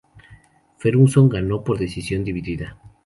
Ferguson ganó por decisión dividida.